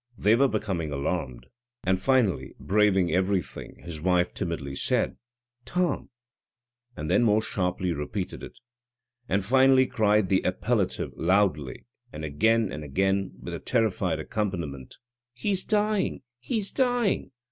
They were becoming alarmed, and finally braving everything his wife timidly said, "Tom!" and then more sharply repeated it, and finally cried the appellative loudly, and again and again, with the terrified accompaniment, "He's dying he's dying!"